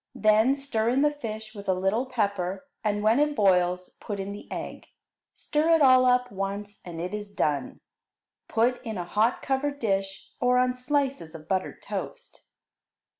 Then stir in the fish with a little pepper, and when it boils put in the egg. Stir it all up once, and it is done. Put in a hot covered dish, or on slices of buttered toast.